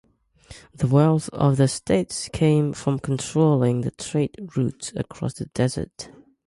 The wealth of the states came from controlling the trade routes across the desert.